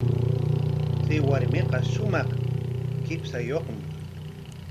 Chay warmiqa shumaq qipshayuqmi.